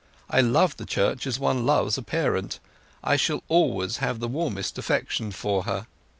I love the Church as one loves a parent. I shall always have the warmest affection for her.